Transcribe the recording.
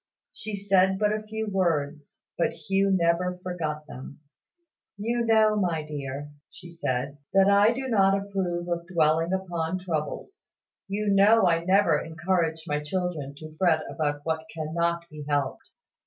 She said but a few words; but Hugh never forgot them. "You know, my dear," said she, "that I do not approve of dwelling upon troubles. You know I never encourage my children to fret about what cannot be helped."